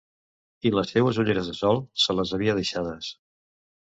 I les seues ulleres de sol, se les havia deixades!